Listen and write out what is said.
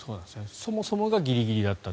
そもそもがギリギリだった。